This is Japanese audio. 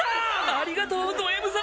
・ありがとうドＭ様！